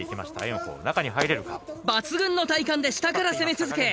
抜群の体幹で下から攻め続け